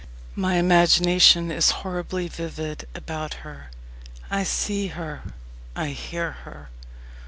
My imagination is horribly vivid about her I see her I hear her....